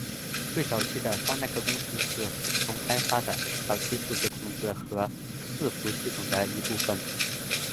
最早期的发那科公司是富士通开发的早期数字控制和伺服系统的一部分。